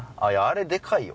あれでかいよ。